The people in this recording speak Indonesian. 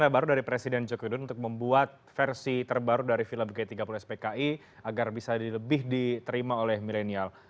baru dari presiden joko widodo untuk membuat versi terbaru dari film g tiga puluh spki agar bisa lebih diterima oleh milenial